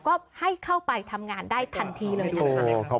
ก็ให้เข้าไปทำงานได้ทันทีเลยนะคะ